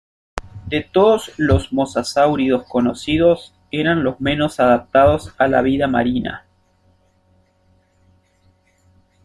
De todos los mosasáuridos conocidos, eran los menos adaptados a la vida marina.